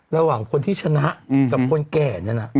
ระหว่างคนที่ชนะกับคนแก่เนี่ยนะ